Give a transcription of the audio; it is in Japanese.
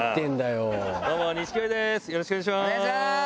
よろしくお願いします。